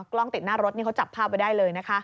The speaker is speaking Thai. กล้องติดหน้ารถนี่เขาจับภาพไว้ได้เลยนะคะ